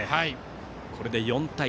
これで４対３。